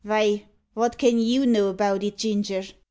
"Vy, vot can you know about it, Ginger?"